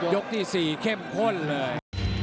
ยกที่สี่เข้มคนเลย